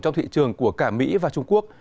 trong thị trường của cả mỹ và trung quốc